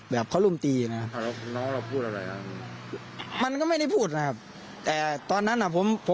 แบบเขาลุมตีนะครับแล้วน้องเราพูดอะไรนะมันก็ไม่ได้พูดนะครับแต่ตอนนั้นผม